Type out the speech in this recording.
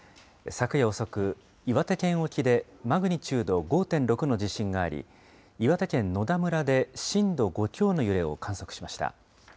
昨夜遅く、岩手県沖でマグニチュード５．６の地震があり、岩手県野田村で震度５強の揺れを観測しました。